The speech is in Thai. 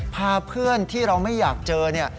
พาเพื่อนที่เราไม่อยากเจอเนี่ย